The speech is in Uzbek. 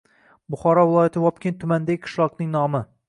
– Buxoro viloyati Vobkent tumanidagi qishloqning nomi.